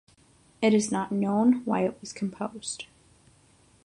It is not known why it was composed.